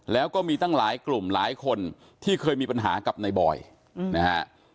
แล้วก็มีตั้งหลายกลุ่มหลายคนที่เคยมีปัญหากับในบอยนะฮะ